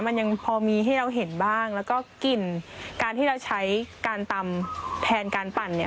มันยังพอมีให้เราเห็นบ้างแล้วก็กลิ่นการที่เราใช้การตำแทนการปั่นเนี่ย